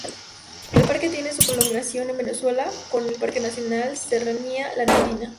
El parque tiene su prolongación en Venezuela, con el parque nacional Serranía La Neblina.